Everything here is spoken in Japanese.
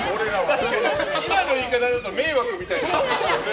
今の言い方だと迷惑みたいですよね。